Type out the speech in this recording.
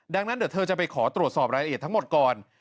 ดังนั้นเดี๋ยวเธอจะไปขอตรวจสอบรายละเอียดทั้งหมดก่อน